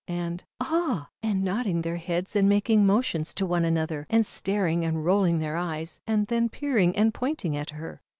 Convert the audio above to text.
and "Ah!" and nodding their heads, and making motions to one another, and staring and rolling their eyes, and then peering and pointing at her.